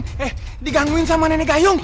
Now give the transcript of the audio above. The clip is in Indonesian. eh digangguin sama nenek gayung